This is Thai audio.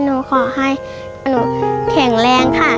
หนูขอให้หนูแข็งแรงค่ะ